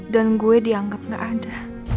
dan gue dianggap gak ada